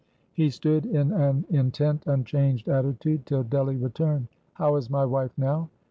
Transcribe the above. He stood in an intent unchanged attitude till Delly returned. "How is my wife, now?"